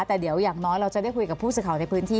แต่เดี๋ยวอย่างน้อยเราจะได้คุยกับผู้สื่อข่าวในพื้นที่